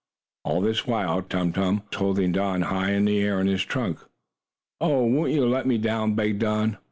All this while Tum Tum was holding Don high in the air in his trunk. "Oh, won't you let me down?" begged Don.